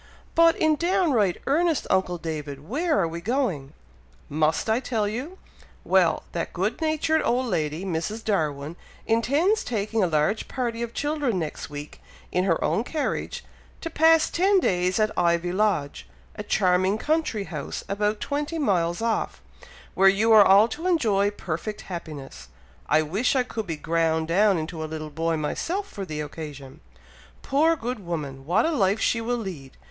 "But in downright earnest, uncle David! where are we going?" "Must I tell you? Well! that good natured old lady, Mrs. Darwin, intends taking a large party of children next week, in her own carriage, to pass ten days at Ivy Lodge, a charming country house about twenty miles off, where you are all to enjoy perfect happiness. I wish I could be ground down into a little boy myself, for the occasion! Poor good woman! what a life she will lead!